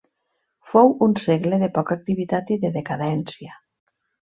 Fou un segle de poca activitat i de decadència.